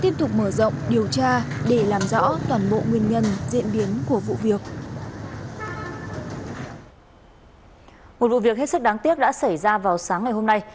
một vụ việc hết sức đáng tiếc đã xảy ra vào sáng ngày hôm nay